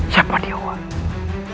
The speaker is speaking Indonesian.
siapa dia wak